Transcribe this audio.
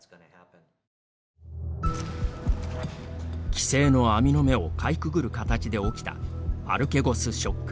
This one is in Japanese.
規制の網の目をかいくぐる形で起きた、アルケゴスショック。